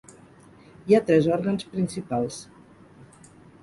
Hi ha tres òrgans principals.